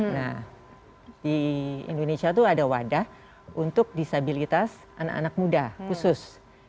nah di indonesia itu ada wadah untuk disabilitas anak anak muda khusus